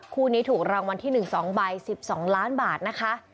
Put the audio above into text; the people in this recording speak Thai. คู่นี้ถูกรางวัลที่๑๒ใบ๑๒ล้านบาทนะคะ